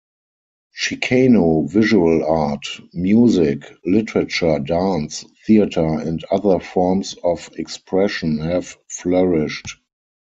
Chicano visual art, music, literature, dance, theater and other forms of expression have flourished.